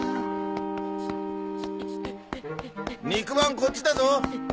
肉まんこっちだぞ。